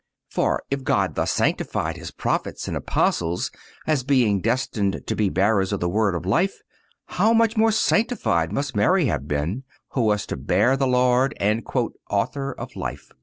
For, if God thus sanctified His Prophets and Apostles as being destined to be the bearers of the Word of life, how much more sanctified must Mary have been, who was to bear the Lord and "Author of life."